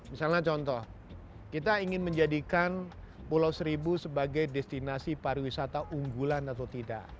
misalnya contoh kita ingin menjadikan pulau seribu sebagai destinasi pariwisata unggulan atau tidak